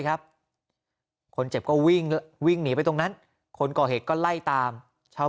ครับคนเจ็บก็วิ่งวิ่งหนีไปตรงนั้นคนก่อเหตุก็ไล่ตามชาว